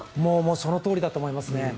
そのとおりだと思いますね。